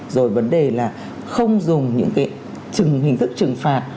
rồi vấn đề là không dùng những cái trừng hình thức trừng phạt